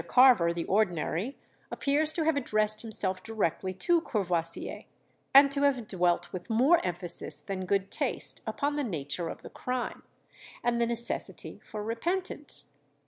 Carver, the ordinary, appears to have addressed himself directly to Courvoisier, and to have dwelt with more emphasis than good taste upon the nature of the crime, and the necessity for repentance.